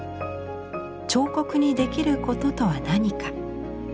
「彫刻にできることとは何か？」。